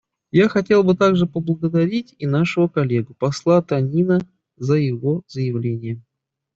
Я хотел бы также поблагодарить и нашего коллегу посла Танина за его заявление.